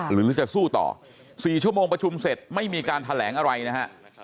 หรือจะสู้ต่อ๔ชั่วโมงประชุมเสร็จไม่มีการแถลงอะไรนะฮะ